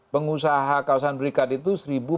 pengusaha kawasan berikat itu